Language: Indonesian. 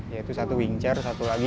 yaitu satu wing chur satu lagi